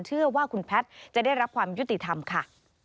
เชื่อว่าคุณแพทย์จะได้รับความยุติธรรมค่ะ